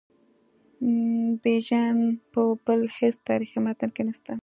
بیژن په بل هیڅ تاریخي متن کې نسته.